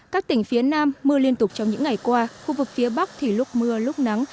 các tỉnh phía nam mưa liên tục trong những ngày qua khu vực phía bắc thì lúc mưa lúc nắng